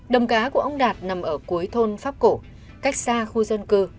đồng cá của ông đạt nằm ở cuối thôn pháp cổ cách xa khu dân cư